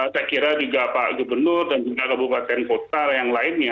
saya kira juga pak gubernur dan juga kabupaten kota yang lainnya